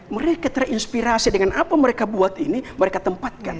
mereka terinspirasi dengan apa mereka buat ini mereka tempatkan